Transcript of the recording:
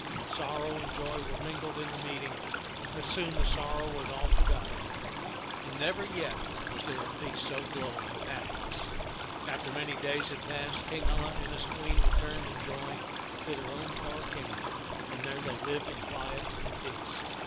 Sorrow and joy were mingled in the meeting, but t^t (man of ^ai»'0 taU 75 soon the sorrow was all forgotten, and never yet was there a feast so glowing with happiness. After many days had passed, King Alia and his Queen returned in joy to their own far kingdom, and there they lived in quiet and peace.